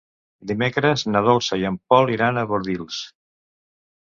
Dimecres na Dolça i en Pol iran a Bordils.